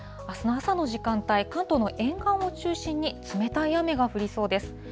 あすの朝の時間帯、関東の沿岸を中心に冷たい雨が降りそうです。